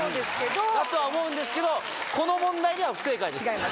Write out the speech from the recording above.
だとは思うんですけどこの問題では不正解です。